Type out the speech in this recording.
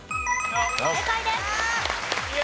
正解です。